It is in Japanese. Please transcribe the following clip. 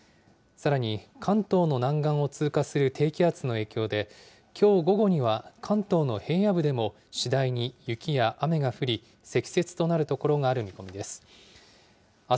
さらに、関東の南岸を通過する低気圧の影響で、きょう午後には関東の平野部でも、次第に雪や雨が降り、積雪となる所がある見込みです。